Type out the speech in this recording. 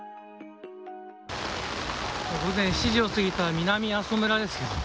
午前７時を過ぎた南阿蘇村です。